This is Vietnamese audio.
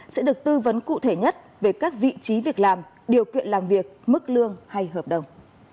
sẽ được tư vấn cụ thể nhất về các vị trí việc làm điều kiện làm việc mức lương hay hợp đồng